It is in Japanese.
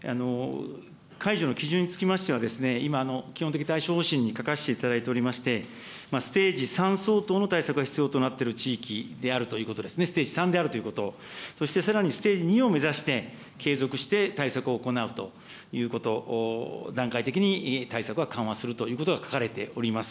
解除の基準につきましては、今、基本的対処方針に書かせていただいておりまして、ステージ３相当の対策が必要となってる地域であるということですね、ステージ３であるということ、そしてさらにステージ２を目指して、継続して対策を行うということ、段階的に対策は緩和するということが書かれております。